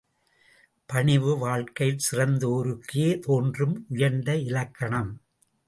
பணிவு, வாழ்க்கையில் சிறந்தோருக்கே தோன்றும் உயர்ந்த இலக்கணம்.